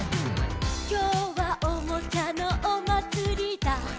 「きょうはおもちゃのおまつりだ」